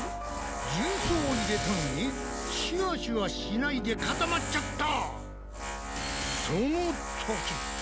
重曹を入れたのにシュワシュワしないで固まっちゃった！